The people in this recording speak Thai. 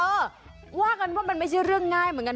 เออว่ากันว่ามันไม่ใช่เรื่องง่ายเหมือนกัน